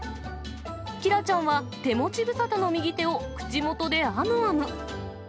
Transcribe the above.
キラちゃんは、手持ち無沙汰の右手を口元であむあむ。